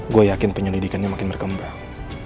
gue yakin penyelidikannya makin berkembang